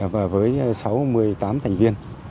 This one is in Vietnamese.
và với sáu một mươi tám thành viên